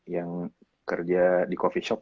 yang kerja di coffee shop